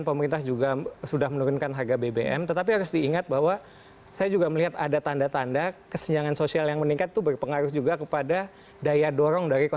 pemerintahan joko widodo